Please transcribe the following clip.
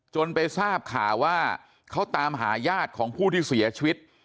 จนไปทราบข่าวว่าเขาตามหาญาติของผู้ที่เสียชีวิต